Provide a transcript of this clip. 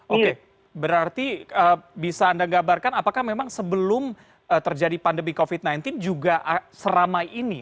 oke berarti bisa anda gambarkan apakah memang sebelum terjadi pandemi covid sembilan belas juga seramai ini